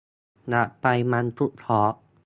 อยากไปมันทุกทอล์ก